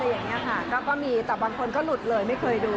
อย่างนี้ค่ะก็มีแต่บางคนก็หลุดเลยไม่เคยดู